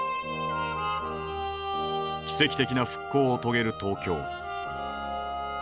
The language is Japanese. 奇跡的な復興を遂げる東京。